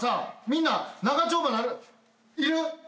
みんな長丁場なるいる？